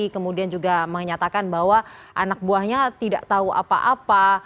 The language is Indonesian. kemudian juga menyatakan bahwa anak buahnya tidak tahu apa apa